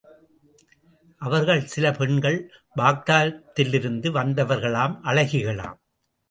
அவர்களில் சில பெண்கள் பாக்தாதிலிருந்து வந்தவர்களாம், அழகிகளாம்.